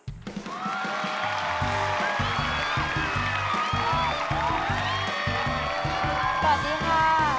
สวัสดีค่ะ